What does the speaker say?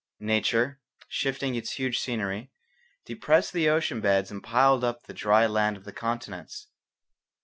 Nature, shifting its huge scenery, depressed the ocean beds and piled up the dry land of the continents.